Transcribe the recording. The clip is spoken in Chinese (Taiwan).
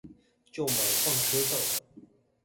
就買放車上了